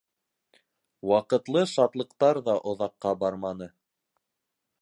Ваҡытлы шатлыҡтар ҙа оҙаҡҡа барманы.